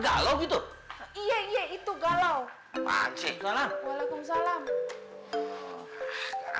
amai yang nentang kan deh